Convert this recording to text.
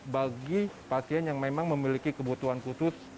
bagi pasien yang memang memiliki kebutuhan khusus